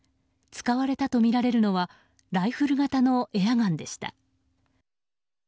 使われたとみられるのはライフル型のエアガンでした。